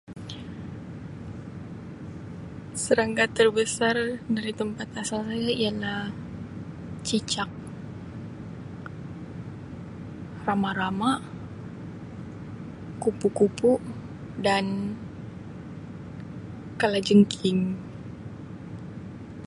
Serangga terbesar dari tempat asal saya ialah Cicak, Rama-Rama, Kupu-Kupu dan Kalajengking.